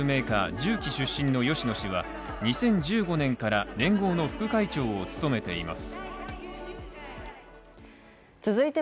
ＪＵＫＩ出身の芳野氏は２０１５年から連合の副会長を務めています。